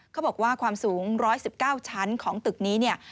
เขาบอกว่าความสูง๑๑๙ชั้นของตึกนี้เนี่ย